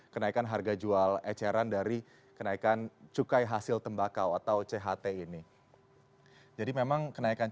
kenaikan harga jual eceran dari kenaikan cukai hasil tembakau atau cht ini jadi memang kenaikan